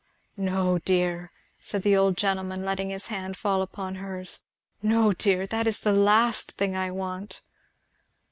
"No dear!" said the old gentleman, letting his hand fall upon hers, "no dear! that is the last thing I want!"